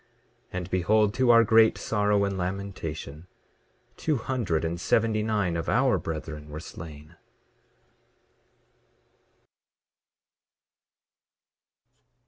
And behold, to our great sorrow and lamentation, two hundred and seventy nine of our brethren were slain.